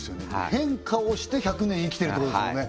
変化をして１００年生きてるってことですもんね